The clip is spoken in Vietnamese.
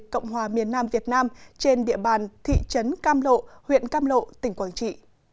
cộng hòa miền nam việt nam trên địa bàn thị trấn cam lộ huyện cam lộ tỉnh quảng trị